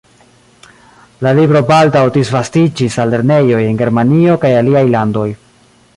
La libro baldaŭ disvastiĝis al lernejoj en Germanio kaj aliaj landoj.